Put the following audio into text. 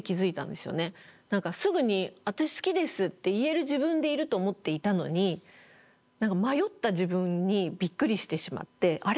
何かすぐに「私好きです」って言える自分でいると思っていたのに何か迷った自分にびっくりしてしまって「あれ？